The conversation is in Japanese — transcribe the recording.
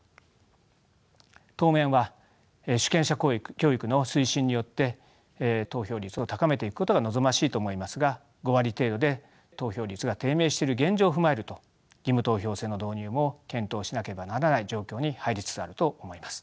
当面は主権者教育の推進によって投票率を高めていくことが望ましいと思いますが５割程度で投票率が低迷している現状を踏まえると義務投票制の導入も検討しなければならない状況に入りつつあると思います。